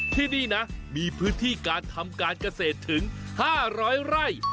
ที่นี่นะมีพื้นที่การทำการเกษตรถึง๕๐๐ไร่